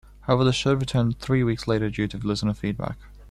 However, the show returned three weeks later due to listener feedback.